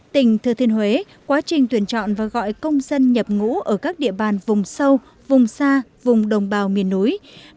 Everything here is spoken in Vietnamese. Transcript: tỉnh thừa thiên huế quá trình tuyển chọn và gọi công dân nhập ngũ ở các địa bàn vùng sâu vùng xa vùng đồng bào miền núi